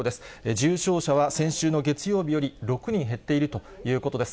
重症者は先週の月曜日より６人減っているということです。